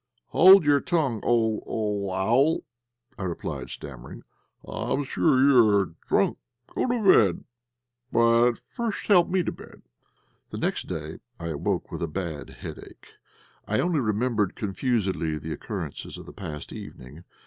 "Hold your tongue, old owl," I replied, stammering; "I am sure you are drunk. Go to bed, ... but first help me to bed." The next day I awoke with a bad headache. I only remembered confusedly the occurrences of the past evening.